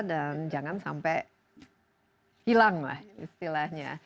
dan jangan sampai hilang lah istilahnya